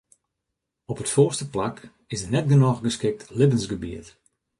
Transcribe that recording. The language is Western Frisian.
Op it foarste plak is der net genôch geskikt libbensgebiet.